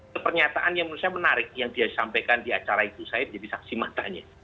itu pernyataan yang menurut saya menarik yang dia sampaikan di acara itu saya jadi saksi matanya